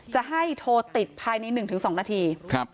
จะให้โทรติดภายใน๑๒นาที